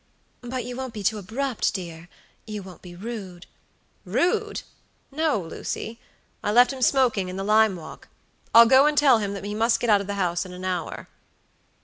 "But you won't be too abrupt, dear? You won't be rude?" "Rude! No, Lucy. I left him smoking in the lime walk. I'll go and tell him that he must get out of the house in an hour."